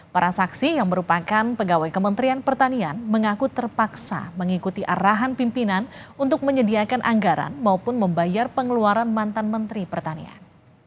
para saksi yang merupakan pegawai kementerian pertanian mengaku terpaksa mengikuti arahan pimpinan untuk menyediakan anggaran maupun membayar pengeluaran mantan menteri pertanian